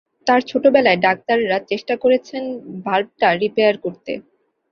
তার ছোটবেলায় ডাক্তাররা চেষ্টা করেছেন ভাল্বটা রিপেয়ার করতে।